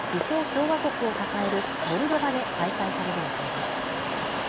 共和国を抱えるモルドバで開催される予定です